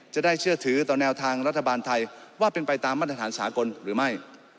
จะได้เชื่อถือต่อแนวทางรัฐบาลไทยว่าเป็นไปตามมาตรฐานสากลหรือไม่